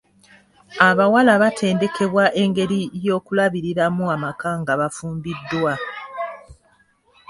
Abawala batendekebwa engeri y'okulabiriramu amaka nga bafumbiddwa.